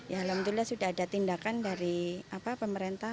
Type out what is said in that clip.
ya alhamdulillah sudah ada tindakan dari pemerintah